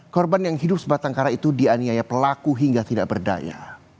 korban yang hidup sebatang kara itu dianiaya pelaku hingga tidak berdaya